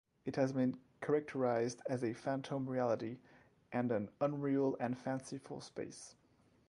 It has been characterised as a "phantom reality" and an "unreal and fanciful space".